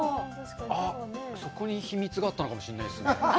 あっそこに秘密があったのかもしれないですね